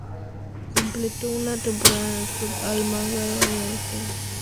Completó una temporada en el Club Almagro con el cual ascendió de categoría.